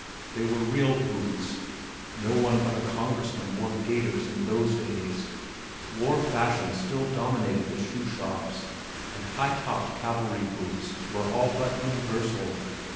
They were real boots. No one but a Congressman wore "gaiters" in those days. War fashions still dominated the shoe shops, and high topped cavalry boots were all but universal.